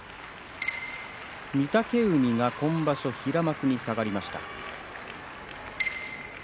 御嶽海が平幕に下がりました。